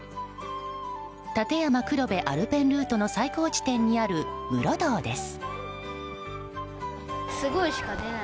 立山黒部アルペンルートの最高地点にある室堂です。